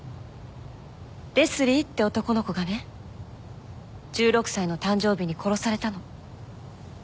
レスリーって男の子がね１６歳の誕生日に殺されたの。